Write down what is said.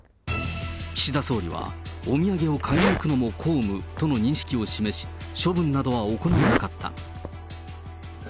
岸田総理は、お土産を買いに行くのも公務との認識を示し、処分などは行わなかった。